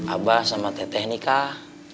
abah sama teteh nikah